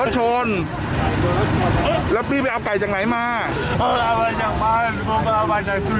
โอ้โหมันมีตัวเดียว